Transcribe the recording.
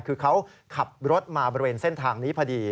คือเขาขับรถมาบริเวณเส้นทางนี้พอดี